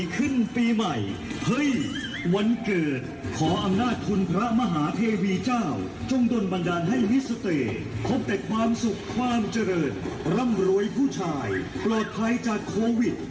ความเจริญร่ำรวยผู้ชายปลอดภัยจากโควิด